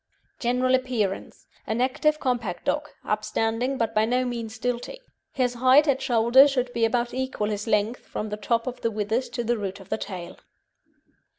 GENERAL APPEARANCE An active compact dog, upstanding, but by no means stilty. His height at shoulder should about equal his length from the top of the withers to the root of the tail.